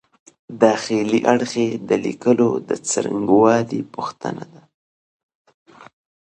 داخلي اړخ یې د لیکلو د څرنګوالي پوښتنه ده.